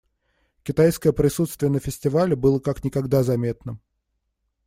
Китайское присутствие на фестивале было как никогда заметным.